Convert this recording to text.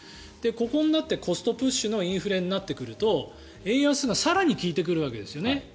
ここになってコストプッシュのインフレになると円安が更に効いてくるわけですよね。